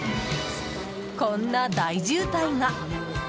こんな大渋滞が。